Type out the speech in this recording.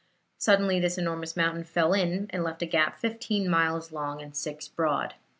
Suddenly this enormous mountain fell in, and left a gap fifteen miles long and six broad.